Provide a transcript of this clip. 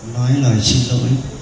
nói lời xin lỗi